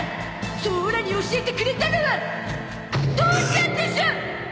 そうオラに教えてくれたのは父ちゃんでしょ！